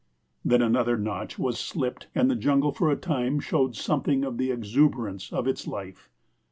Then another notch was slipped and the jungle for a time showed something of the exuberance of its life.